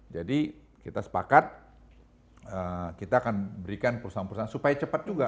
jadi kita sepakat kita akan berikan perusahaan perusahaan supaya cepat juga